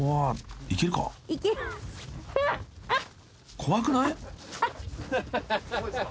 ［怖くない？］